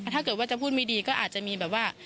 ถ้าเกิดว่าจะพูดไม่ดีก็อาจจะมีแบบว่า